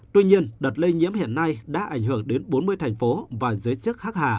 tuy nhiên đợt lây nhiễm hiện nay đã ảnh hưởng đến bốn mươi thành phố và giới chức khác hà